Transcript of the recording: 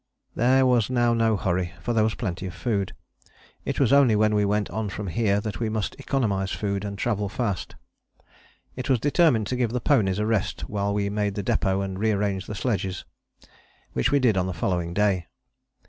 There was now no hurry, for there was plenty of food. It was only when we went on from here that we must economize food and travel fast. It was determined to give the ponies a rest while we made the depôt and rearranged sledges, which we did on the following day.